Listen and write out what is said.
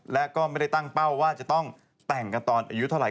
และก็ไม่ได้ตั้งเป้าว่าจะต้องแต่งกันตอนอายุเท่าไห